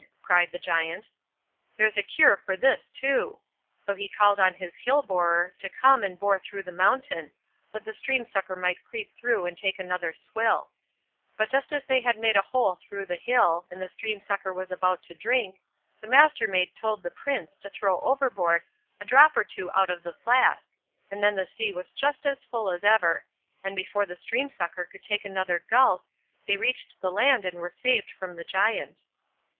cried the Giant; "there's a cure for this too." So he called on his hill borer to come and bore through the mountain, that the stream sucker might creep through and take another swill; but just as they had made a hole through the hill, and the stream sucker was about to drink, the Mastermaid told the Prince to throw overboard a drop or two out of the flask, and then the sea was just as full as ever, and before the stream sucker could take another gulp, they reached the land and were saved from the Giant.